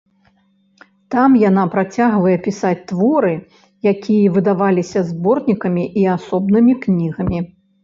Там яна працягвае пісаць творы, якія выдаваліся зборнікамі і асобнымі кнігамі.